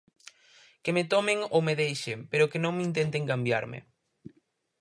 Que me tomen ou me deixen pero que non intenten cambiarme.